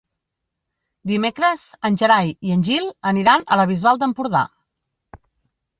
Dimecres en Gerai i en Gil aniran a la Bisbal d'Empordà.